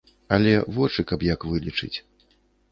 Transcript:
Але вочы каб як вылечыць.